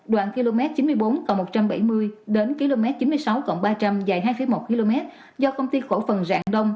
đoạn km chín mươi bốn một trăm bảy mươi đến km chín mươi sáu ba trăm linh dài hai một km do công ty cổ phần rạng đông